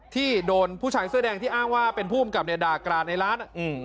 ที่โดนผู้ชายเสื้อแดงที่อ้างว่าเป็นผู้กำกับด่ากราดในร้าน